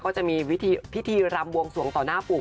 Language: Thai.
ก็จะมีพิธีรำบวงสวงต่อหน้าปู่